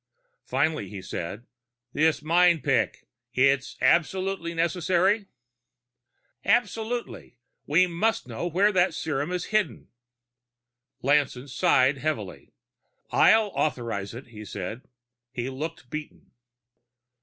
Finally he said, "This mind picking it's absolutely necessary?" "Absolutely. We must know where that serum is hidden." Lanson sighed heavily. "I'll authorize it," he said. He looked beaten.